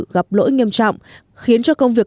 gặp lỗi nghiêm trọng khiến cho công việc